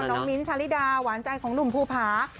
แล้วก็น้องมิ้นท์ชาลิดาหวานใจของหนุ่มภูภา